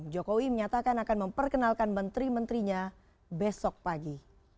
jokowi menyatakan akan memperkenalkan menteri menterinya besok pagi